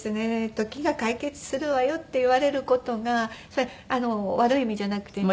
「時が解決するわよ」って言われる事がそれ悪い意味じゃなくてね。